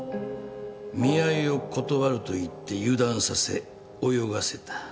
見合いを断ると言って油断させ泳がせた。